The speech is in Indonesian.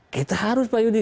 kita harus pak yudi